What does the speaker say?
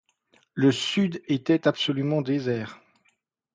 Le sud était absolument désert.